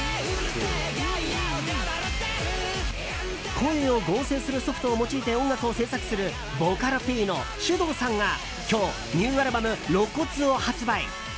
声を合成するソフトを用いて音楽を制作するボカロＰのｓｙｕｄｏｕさんが今日、ニューアルバム「露骨」を発売。